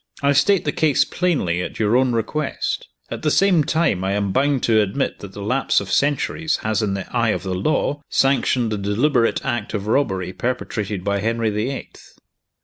I state the case plainly, at your own request. At the same time, I am bound to admit that the lapse of centuries has, in the eye of the law, sanctioned the deliberate act of robbery perpetrated by Henry the Eighth.